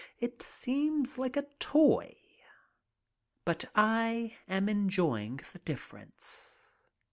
It seems like a toy. But I am enjoying the difference.